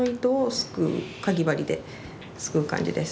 すくう感じです。